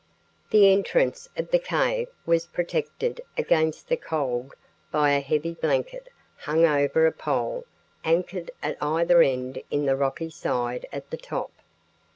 The entrance of the cave was protected against the cold by a heavy blanket hung over a pole anchored at either end in the rocky side at the top.